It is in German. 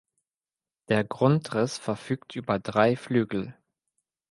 Der Grundriss verfügt über drei Flügel.